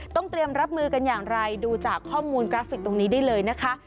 เตรียมรับมือกันอย่างไรดูจากข้อมูลกราฟิกตรงนี้ได้เลยนะคะ